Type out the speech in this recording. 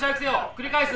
繰り返す。